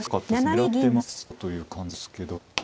狙ってましたという感じですけど。